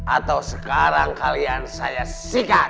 atau sekarang kalian saya sikat